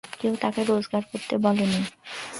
কেউ তোকে রোজগার করতে বলেনি।